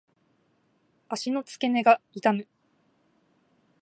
足の付け根が痛む。